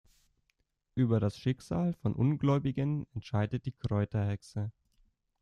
Über das Schicksal von Ungläubigen entscheidet die Kräuterhexe.